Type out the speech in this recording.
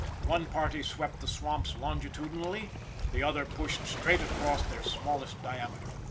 One party swept the swamps longitudinally, the other pushed straight across their smallest diameter.